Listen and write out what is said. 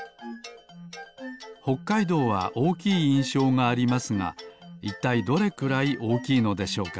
ほっかいどうはおおきいいんしょうがありますがいったいどれくらいおおきいのでしょうか？